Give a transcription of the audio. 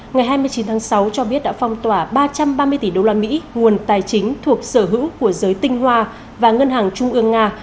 ngày hai mươi chín tháng sáu cho biết đã phong tỏa ba trăm ba mươi tỷ đô la mỹ nguồn tài chính thuộc sở hữu của giới tinh hoa và ngân hàng trung ương nga